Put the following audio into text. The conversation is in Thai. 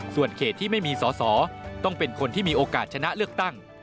ส่วนเขตที่ไม่มีสอสอต้องเป็นคนที่มีโอกาสชนะเลือกตั้ง